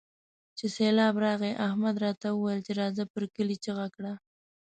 چې سېبلاب راغی؛ احمد راته وويل چې راځه پر کلي چيغه کړه.